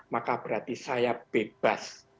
maka berarti saya bebas